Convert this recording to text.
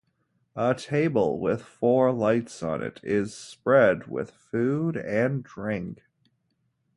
A table with four lights on it is spread with food and drink.